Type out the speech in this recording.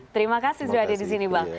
terima kasih sudah hadir di sini bang